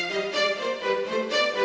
wajib ga dilihat